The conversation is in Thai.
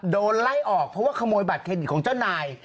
โดนไล่ออกเพราะว่าขโมยบัตรเครดิตของเจ้านาย